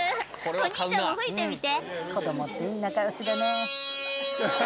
お兄ちゃんも吹いてみて。